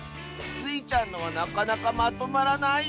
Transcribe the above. スイちゃんのはなかなかまとまらないッス